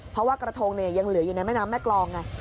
เพราะว่ากระทงเนี่ยยังเหลืออยู่ในแม่น้ำแม่กรองไง